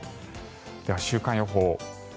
では週間予報。